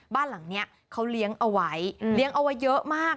บ้านหลังนี้เขาเลี้ยงเอาไว้เลี้ยงเอาไว้เยอะมาก